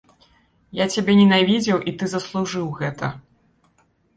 Я цябе ненавідзеў, і ты заслужыў гэта.